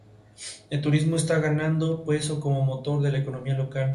Aunque la marina castellana hubiera podido evitar el combate buscó el enfrentamiento.